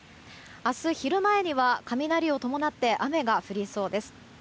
明日昼前には雷を伴って雨が降りそうです。